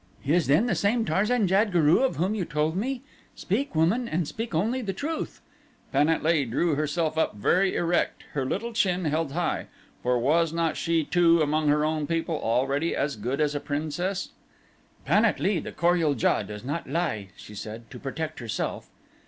He is then the same Tarzan jad guru of whom you told me? Speak woman and speak only the truth." Pan at lee drew herself up very erect, her little chin held high, for was not she too among her own people already as good as a princess? "Pan at lee, the Kor ul JA does not lie," she said, "to protect herself."